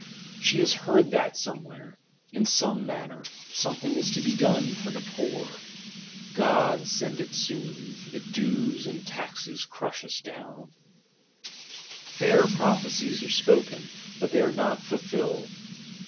She has heard that some_where_, in some manner, some_thing_ is to be done for the poor: 'God send it soon; for the dues and taxes crush us down (nous écrasent)!' Fair prophecies are spoken, but they are not fulfilled.